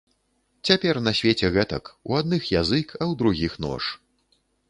Цяпер на свеце гэтак, у адных язык, а ў другіх нож.